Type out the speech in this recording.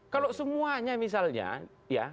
kalau semuanya misalnya ya